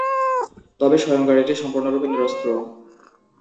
তবে, স্বয়ং গাড়িটি সম্পূর্ণরূপে নিরস্ত্র।